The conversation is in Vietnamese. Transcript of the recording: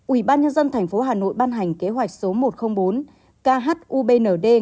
ủy ban nhân dân thành phố hà nội ban hành kế hoạch số một trăm linh bốn khubnd